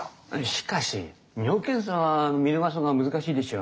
しかし尿検査は見逃すのは難しいでしょう。